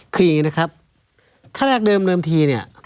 คืออย่างนี้นะครับท่านเอกเดิมเริ่มทีครับ